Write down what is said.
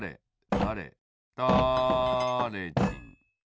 だれだれじん